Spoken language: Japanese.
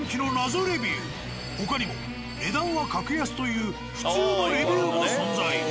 他にも値段は格安という普通のレビューも存在。